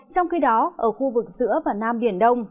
trong khi đó ở khu vực giữa và nam biển đông